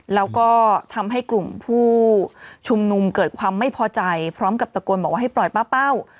แล้วก็ทำให้กลุ่มผู้ชุมนุมเกิดความไม่พอใจพร้อมกับตะโกนบอกว่าให้ปล่อยป้าเป้า